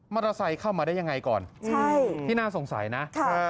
มอเตอร์ไซค์เข้ามาได้ยังไงก่อนใช่ที่น่าสงสัยนะครับ